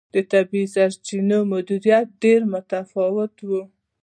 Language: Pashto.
د طبیعي سرچینو مدیریت ډېر متفاوت و.